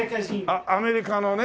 あっアメリカのね。